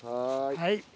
はい。